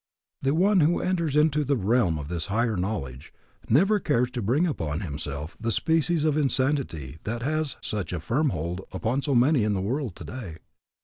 The one who enters into the realm of this higher knowledge, never cares to bring upon himself the species of insanity that has such a firm hold upon so many in the world today.